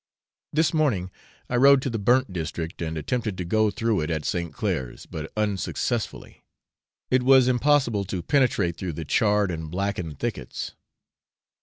This morning I rode to the burnt district, and attempted to go through it at St. Clair's, but unsuccessfully: it was impossible to penetrate through the charred and blackened thickets.